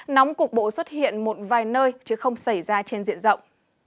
nóng cục bộ xuất hiện một vài nơi chứ không xảy ra trên diện rộng